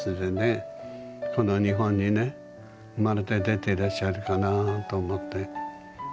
この日本にね生まれて出ていらっしゃるかなと思って。